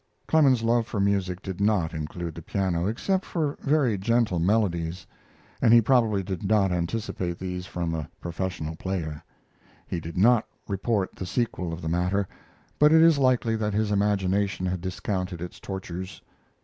Clemens's love for music did not include the piano, except for very gentle melodies, and he probably did not anticipate these from a professional player. He did not report the sequel of the matter; but it is likely that his imagination had discounted its tortures.